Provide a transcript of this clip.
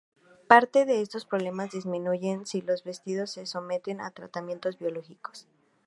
Parte de estos problemas disminuyen si los vertidos se someten a tratamientos biológicos.